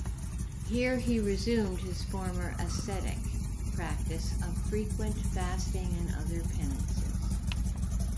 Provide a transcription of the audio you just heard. Here he resumed his former ascetic practice of frequent fasting and other penances.